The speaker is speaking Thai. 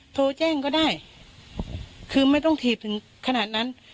โทรแจ้งก็ได้คือไม่ต้องถีบถึงขนาดนั้น